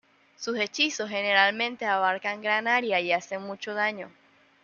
Sus hechizos generalmente abarcan gran área y hacen mucho daño.